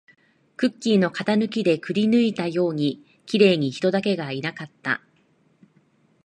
クッキーの型抜きでくりぬいたように、綺麗に人だけがいなかった